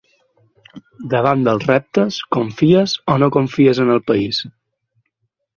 Davant dels reptes, confies o no confies en el país.